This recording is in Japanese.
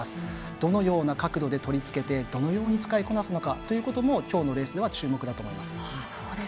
どのような角度で取り付けてどのように使いこなすのかということもきょうのレースでは注目だと思います。